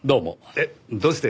えっどうして？